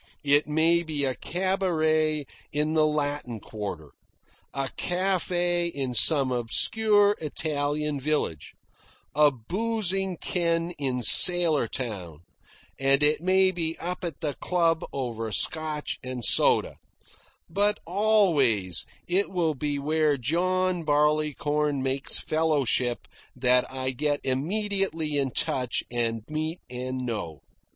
It may be a cabaret in the Latin Quarter, a cafe in some obscure Italian village, a boozing ken in sailor town, and it may be up at the club over Scotch and soda; but always it will be where John Barleycorn makes fellowship that I get immediately in touch, and meet, and know.